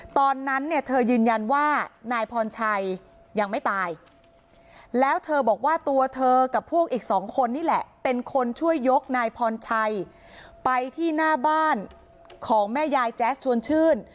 ตอนนั้นเนี่ยเธอยืนยันว่านายพรชัยยังไม่ตายแล้วเธอบอกว่าตัวเธอกับพวกอีกสองคนนี่แหละเป็นคนช่วยยกนายพรชัยไปที่หน้าบ้านของแม่ยายแจ๊สชวนชื่น